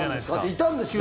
いたんですよね？